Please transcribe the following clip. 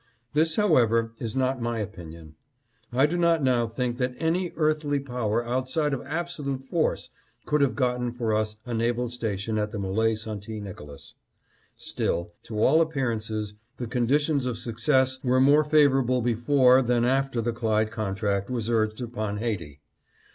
This, however, is not my opinion. I do not now think that any earthly power outside of abso lute force could have gotten for us a naval station at the M61e St. Nicolas. Still, to all appearances, the condi tions of success were more favorable before than after the Clyde contract was urged upon Haiti.